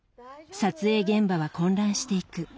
撮影現場は混乱していく。